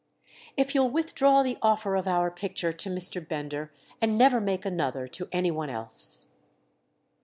"If you'll withdraw the offer of our picture to Mr. Bender—and never make another to any one else!"